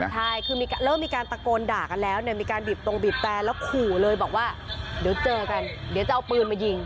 ใช่คือเริ่มมีการตะโกนด่ากันแล้วเนี่ยมีการบีบตรงบีบแต่แล้วขู่เลยบอกว่าเดี๋ยวเจอกันเดี๋ยวจะเอาปืนมายิง